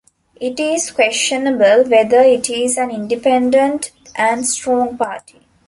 It is questionable whether it is an independent and strong party.